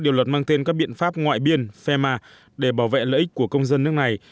điều luật mang tên các biện pháp ngoại biên fema để bảo vệ lợi ích của công dân nước này